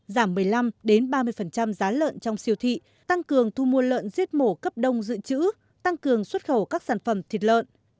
giảm một mươi năm ba mươi giá lợn trong siêu thị tăng cường thu mua lợn giết mổ cấp đông dự trữ tăng cường xuất khẩu các sản phẩm thịt lợn